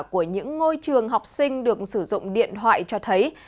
của những ngôi trường học sinh được sử dụng điện thoại cho thấy